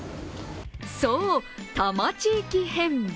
そう、多摩地域編。